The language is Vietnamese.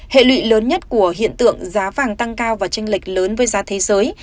hệ lụy lớn nhất của hiện tượng giá vàng tăng cao và tranh lệch lớn với giá thế giới